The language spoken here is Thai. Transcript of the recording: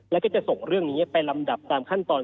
แล้วก็จะส่งเรื่องนี้ไปลำดับตามขั้นตอน